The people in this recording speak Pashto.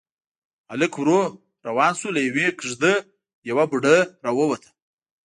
هلک ورو روان شو، له يوې کېږدۍ يوه بوډۍ راووته.